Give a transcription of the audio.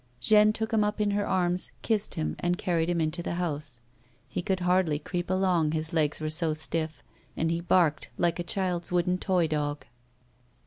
Jeanne" took him up in her arms, kissed him and earned him into the house ; he could hardly creep along, his legs were so stiff, and he barked like a child's wooden toy dog.